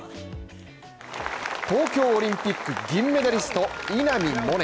東京オリンピック銀メダリスト・稲見萌寧